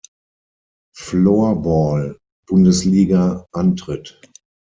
Floorball-Bundesliga antritt.